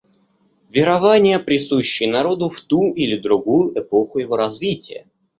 Верования, присущие народу в ту или другую эпоху его развития.